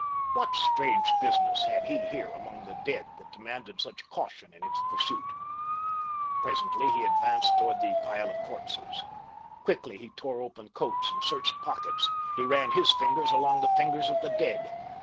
What strange business had he here among the dead that demanded such caution in its pursuit? Presently he advanced toward the pile of corpses. Quickly he tore open coats and searched pockets. He ran his fingers along the fingers of the dead.